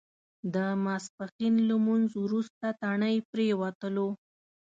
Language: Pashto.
د ماسپښین لمونځ وروسته تڼۍ پرېوتلو.